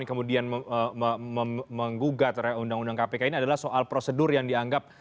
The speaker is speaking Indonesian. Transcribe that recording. yang kemudian menggugat undang undang kpk ini adalah soal prosedur yang dianggap